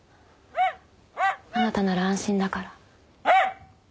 あなたなら安心だから。